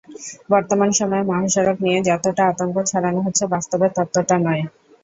বর্তমান সময়ে মহাসড়ক নিয়ে যতটা আতঙ্ক ছড়ানো হচ্ছে বাস্তবে ততটা নয়।